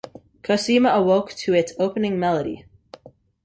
Cosima awoke to its opening melody.